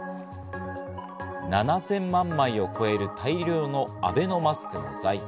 ７０００万枚を超える大量のアベノマスクの在庫。